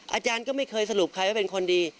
อาจารย์ก็ไม่เคยสรุปใครว่าเป็นคนดี